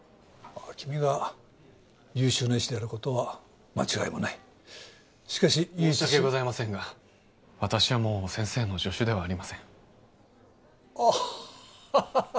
君が優秀な医師であることは間違いもないしかし唯一申し訳ございませんが私はもう先生の助手ではありませんアッハハハ